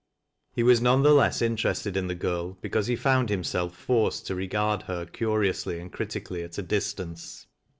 He was none the less interested in the girl because he found himself forced to regard her curiously and criti cally, and at a distance.